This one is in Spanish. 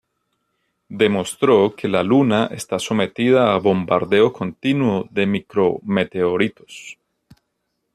Demostró que la Luna está sometida a bombardeo continuo de micrometeoritos.